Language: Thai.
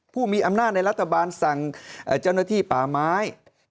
ผู้มีอำนาจในรัฐบาลสั่งเจ้าหน้าที่ป่าไม้